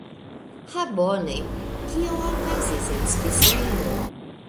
Ha bone. Kio okazis en Svislando?